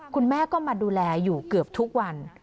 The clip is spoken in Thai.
คุณแม่ก็มาดูแลอยู่เกือบทุกวัน